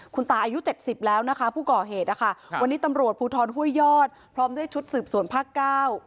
คุณตาอายุเจ็ดสิบแล้วนะคะผู้ก่อเหตุนะคะวันนี้ตำรวจภูทรห้วยยอดพร้อมด้วยชุดสืบสวนภาคเก้า